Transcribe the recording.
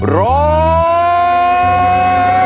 ร้อง